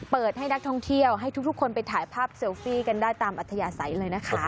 เปิดให้นักท่องเที่ยวให้ทุกคนไปถ่ายภาพเซลฟี่กันได้ตามอัธยาศัยเลยนะคะ